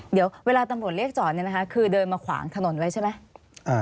เดี๋ยวเวลาตำรวจเรียกจอดเนี่ยนะคะคือเดินมาขวางถนนไว้ใช่ไหม